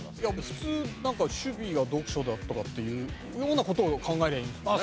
普通趣味が読書だとかっていうような事を考えりゃいいんですよね。